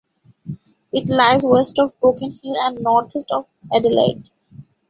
It lies west of Broken Hill and northeast of Adelaide.